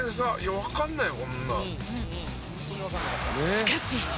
しかし。